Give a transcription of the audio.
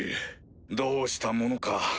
どうしたものか。